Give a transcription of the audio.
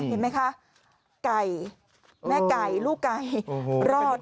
เห็นไหมคะไก่แม่ไก่ลูกไก่รอด